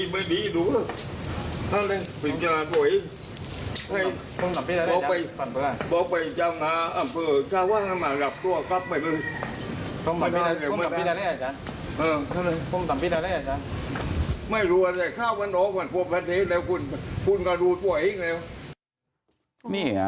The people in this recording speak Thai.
ไม่รู้แต่ข้าวอยู่นอกกว่าประเทศเลยครูนดูตัวอีกเลย